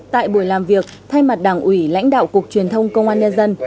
tại buổi làm việc thay mặt đảng ủy lãnh đạo cục truyền thông công an nhân dân